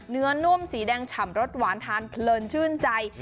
นุ่มสีแดงฉ่ำรสหวานทานเพลินชื่นใจ